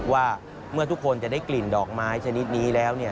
ว่าเมื่อทุกคนจะได้กลิ่นดอกไม้ชนิดนี้แล้ว